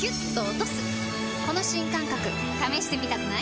この新感覚試してみたくない？